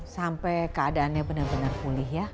sampai keadaannya benar benar pulih ya